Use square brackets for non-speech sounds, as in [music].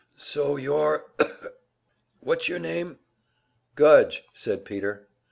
"So you're [coughs] what's your name?" "Gudge," said Peter.